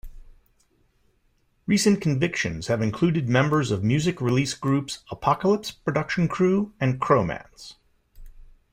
Recent convictions have included members of music release groups Apocalypse Production Crew and Chromance.